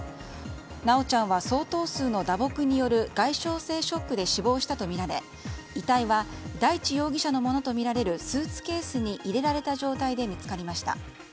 修ちゃんは、相当数の打撲による外傷性ショックで死亡したとみられ遺体は大地容疑者のものとみられるスーツケースに入れられた状態で見つかりました。